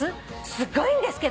すごいんですけど』